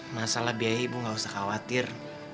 masalah biaya ibu nggak usah khawatir